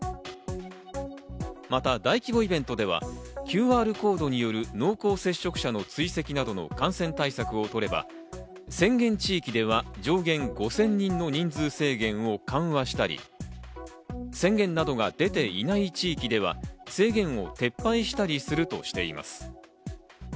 また大規模イベントではＱＲコードによる濃厚接触者の追跡などの感染対策を取れば、宣言地域では、５０００人の上限を緩和したり宣言などが出ていない地域では制限を撤廃したりするとしています。